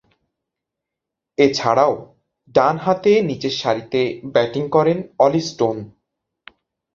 এছাড়াও, ডানহাতে নিচেরসারিতে ব্যাটিং করেন অলি স্টোন।